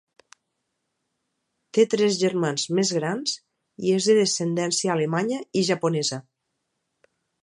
Té tres germans més grans i és de descendència alemanya i japonesa.